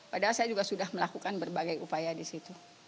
padahal saya juga sudah melakukan berbagai upaya disitu